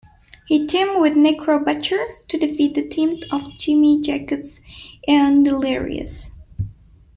He teamed with Necro Butcher to defeat the team of Jimmy Jacobs and Delirious.